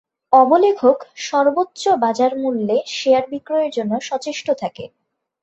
অবলেখক সর্বোচ্চ বাজারমূল্যে শেয়ার বিক্রয়ের জন্য সচেষ্ট থাকে।